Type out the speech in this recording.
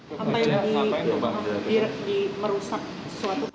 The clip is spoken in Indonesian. apa yang di merusak sesuatu